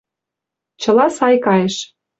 Чыла сай кайыш.